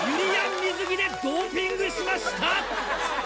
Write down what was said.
水着でドーピングしました！